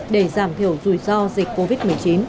để giảm thiểu rủi ro dịch covid một mươi chín